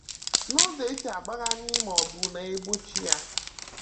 na ụzọ e si agbanahị maọbụ na-egbochi ya